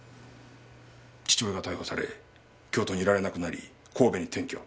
父親が逮捕され京都にいられなくなり神戸に転居。